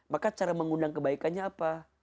maka cara mengundang kebaikannya apa